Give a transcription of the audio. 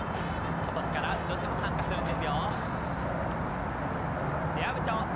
今年から女子も参加するんですよ！